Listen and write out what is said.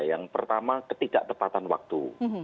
yang pertama ketidaktepatan waktu